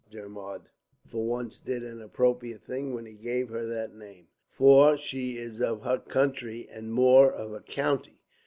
Dermod for once did an appropriate thing when he gave her that name. For she is of her country, and more, of her county.